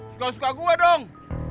suka suka gua dong